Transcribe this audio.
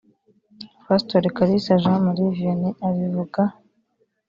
Pasitori Kalisa Jean Marie Vianney abivuga